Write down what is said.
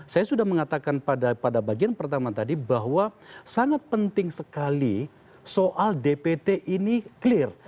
saya sudah mengatakan pada bagian pertama tadi bahwa sangat penting sekali soal dpt ini clear